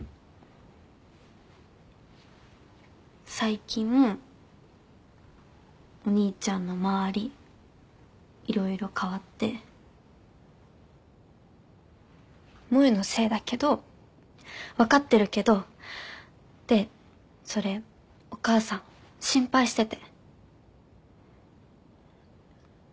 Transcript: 最近お兄ちゃんの周り色々変わって萌のせいだけど分かってるけどでそれお母さん心配してて。